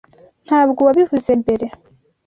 Ntabwo wabivuze mbere.